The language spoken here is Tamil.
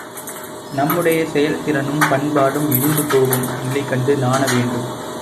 நம்முடைய செயல் திறனும் பண்பாடும் இழிந்து போகும் நிலை கண்டு நாணவேண்டும்.